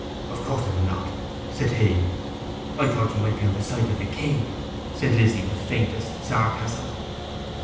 'Of course I will not,' said he. 'I thought you might be on the side of the king,' said Lizzy, with faintest sarcasm.